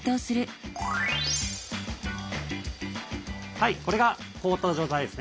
はいこれが凍った状態ですね。